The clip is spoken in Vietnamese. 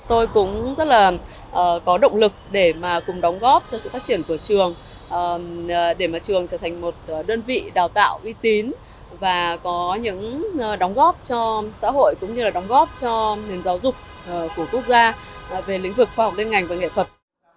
tôi cũng rất là có động lực để mà cùng đóng góp cho sự phát triển của trường để mà trường trở thành một đơn vị đào tạo uy tín và có những đóng góp cho xã hội cũng như là đóng góp cho nền giáo dục của quốc gia về lĩnh vực khoa học liên ngành và nghệ thuật